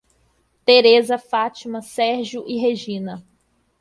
Tereza, Fátima, Sérgio e Regina